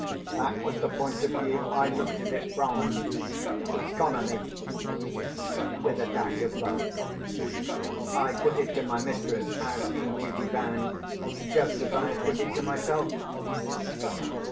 That was the point of view I looked at it from. Economy—with a dash of love. I put it to my mistress, as in duty bound, just as I had put it to myself.